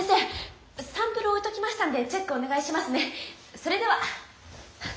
それではっ！